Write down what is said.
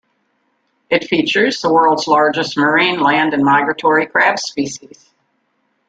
It features the world's largest marine, land and migratory crab species.